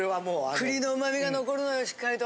栗のうまみが残るのよしっかりと。